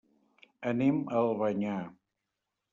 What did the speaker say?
Anem a Albanyà.